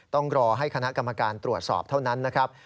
ต้องรอให้คณะกรรมการตรวจสอบเท่านั้นนะครับ